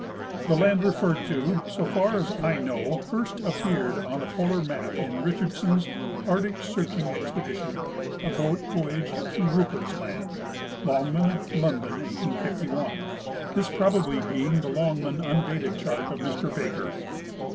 The land referred to, so far as I know, first appeared on the polar map in Richardson's "Arctic Searching Expedition : A Boat Voj^age through Ruperts Land," Longman, London, 1851, this probably being the Longman undated chart of Mr Baker.